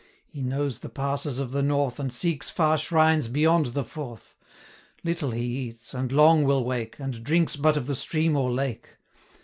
He knows the passes of the North, And seeks far shrines beyond the Forth; Little he eats, and long will wake, And drinks but of the stream or lake.